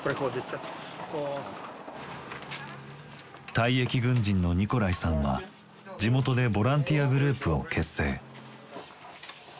退役軍人のニコライさんは地元でボランティアグループを結成。